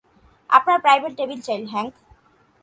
আপনার private table চাই, Hank?